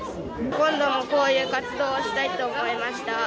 どんどんこういう活動をしたいと思いました。